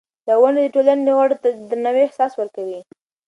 دا ونډه د ټولنې غړو ته د درناوي احساس ورکوي.